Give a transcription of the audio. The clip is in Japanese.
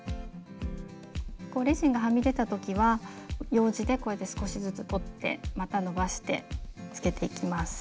レジンがはみ出た時はようじでこうやって少しずつ取ってまたのばしてつけていきます。